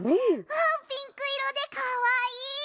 ピンクいろでかわいい！